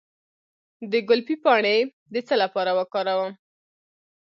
د ګلپي پاڼې د څه لپاره وکاروم؟